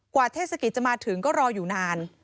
เทศกิจจะมาถึงก็รออยู่นาน